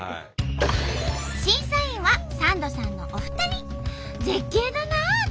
審査員はサンドさんのお二人。